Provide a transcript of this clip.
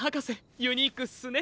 ユニークっすね。